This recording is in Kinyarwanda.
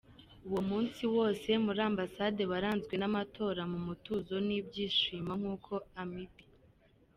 Uwo munsi wose muri Ambassade waranzwe n’amatora mu mutuzo n’ibyishimo nkuko Amb.